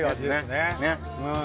ねっ！